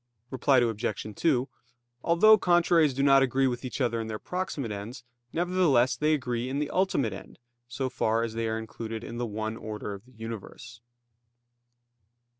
Reply Obj. 2: Although contraries do not agree with each other in their proximate ends, nevertheless they agree in the ultimate end, so far as they are included in the one order of the universe.